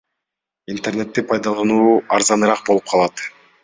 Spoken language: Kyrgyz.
Интернетти пайдалануу арзаныраак болуп калат.